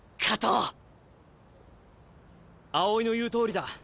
青井の言うとおりだ。